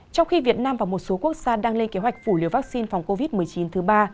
trong khi việt nam và một số quốc gia đang lên kế hoạch phủ liều vaccine phòng covid một mươi chín thứ ba